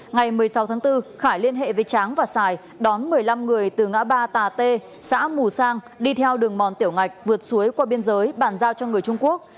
ngày một mươi sáu tháng bốn khải liên hệ với tráng và sài đón một mươi năm người từ ngã ba tà t xã mù sang đi theo đường mòn tiểu ngạch vượt suối qua biên giới bàn giao cho người trung quốc